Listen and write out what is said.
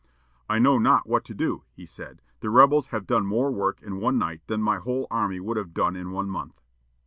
"I know not what to do," he said. "The rebels have done more work in one night than my whole army would have done in one month."